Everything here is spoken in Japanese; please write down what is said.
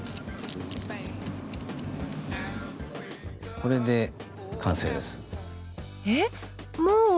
これで完成です。え？